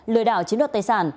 lừa đảo chiến đoạt tài sản